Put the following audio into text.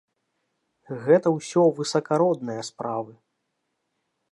Гэта ўсё высакародныя справы.